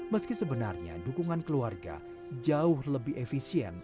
meski sebenarnya dukungan keluarga jauh lebih efisien